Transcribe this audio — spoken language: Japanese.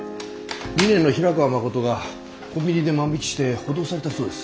２年の平川誠がコンビニで万引きして補導されたそうです。